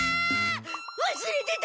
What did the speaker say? わすれてた！